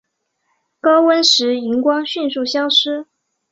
高温时荧光迅速消失。